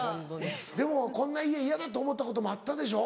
でもこんな家嫌だと思ったこともあったでしょ？